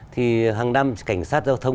thì hàng năm cảnh sát giao thông